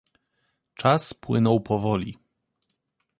Czas płynął powoli.